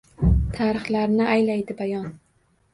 Tarixlarni aylaydi bayon.